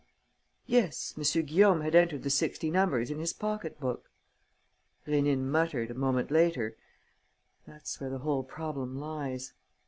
"Yes. M. Guillaume had entered the sixty numbers in his pocket book." Rénine muttered, a moment later: "That's where the whole problem lies.